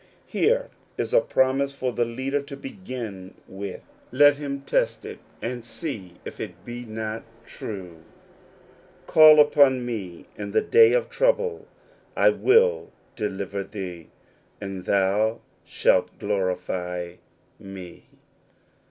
Here is a promise for the reader to begin with : let him test it, and see if it be not true :— "Call UPON ME IN THE DAY OF TROUBLE : I WILL DELIVER THEE, AND THOU SHALT GLORIFY ME."